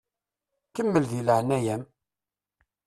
Kemmel di leɛnaya-m!